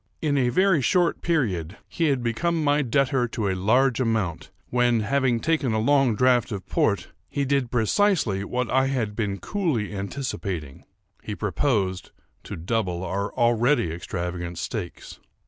In a very short period he had become my debtor to a large amount, when, having taken a long draught of port, he did precisely what I had been coolly anticipating—he proposed to double our already extravagant stakes.